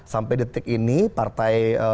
sampai detik ini partai